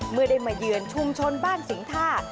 เมื่อได้มาเยือนชุมชนบ้านสิงท่า